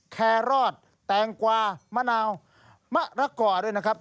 แครอดแตงกวามะนาวมะระก่อด้วยนะครับ